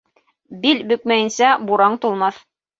Бил бөкмәйенсә, бураң тулмаҫ.